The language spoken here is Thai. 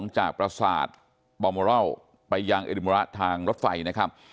จากประสาทบอร์โมรอลไปยังเอดิมูระทางรถไฟนะครับ